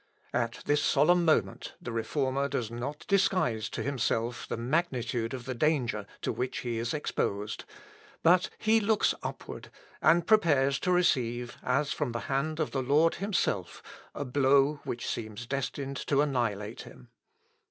At this solemn moment the Reformer does not disguise to himself the magnitude of the danger to which he is exposed; but he looks upward, and prepares to receive, as from the hand of the Lord himself, a blow which seems destined to annihilate him.